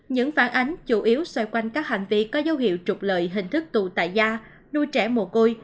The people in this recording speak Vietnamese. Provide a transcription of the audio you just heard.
những phản ánh chủ yếu xoay quanh các hành vi có dấu hiệu trục lợi hình thức tù tại da nuôi trẻ mồ côi